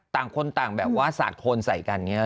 ต่างคนต่างแบบว่าสาดคนใส่กันเนี่ยเหรอ